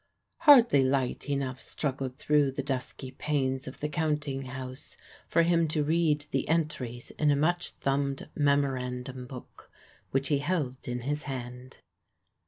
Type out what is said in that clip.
Hardly light enough struggled through the dusky panes of the counting house for him to read the entries in a much thumbed memorandum book, which he held in his hand.